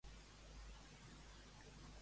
Què passa a LinkedIn en aquest instant?